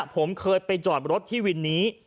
ผมเคยไปจอดรถที่วินนี้